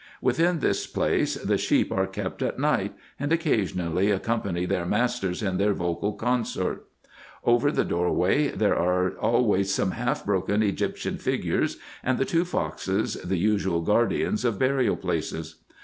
Within this place the sheep are kept at night, and occa sionally accompany their masters in their vocal concert. Over the doorway there are always some half broken Egyptian figures, and the two foxes, the usual guardians of burial places.